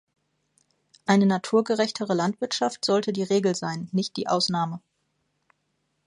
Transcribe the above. Eine naturgerechtere Landwirtschaft sollte die Regel sein, nicht die Ausnahme.